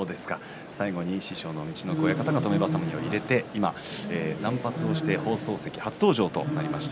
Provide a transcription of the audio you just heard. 最後に師匠の陸奥親方が止めばさみを入れて今、断髪をして放送席初登場となりました